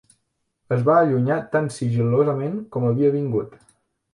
Es va allunyar tan sigil·losament com havia vingut.